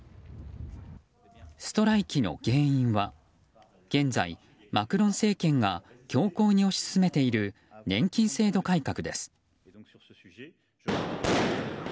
ストライキの原因は現在、マクロン政権が強硬に推し進めている年金制度改革です。